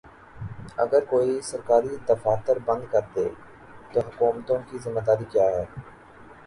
اگر کوئی سرکاری دفاتر بند کردے تو حکومت کی ذمہ داری کیا ہے؟